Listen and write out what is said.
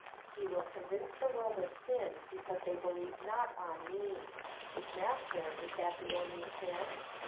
'( Hc will convince the world of sin because they believe not on ME. 'Master, is that the only sin!